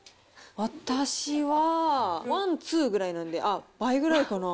私は、ワン、ツーぐらいなんで、あっ、倍ぐらいかな。